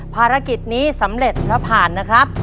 ภารกิจนี้สำเร็จแล้วผ่านนะครับ